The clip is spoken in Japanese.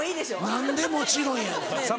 何でもちろんやねん。